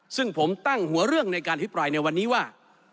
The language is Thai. ซึ่งผมตั้งหัวเรื่องในการอภิปรายในวันนี้ว่า